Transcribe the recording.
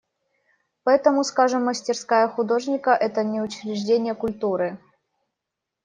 Поэтому, скажем, мастерская художника – это не учреждение культуры.